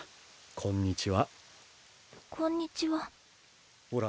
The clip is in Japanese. こんにちは。